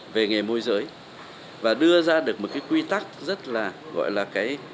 về nghề môi giới và đưa ra được một cái quy tắc rất là gọi là cái